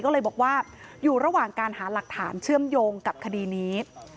ก็เลยบอกว่าอยู่ระหว่างการหาหลักฐานเชื่อมโยงกับคดีนี้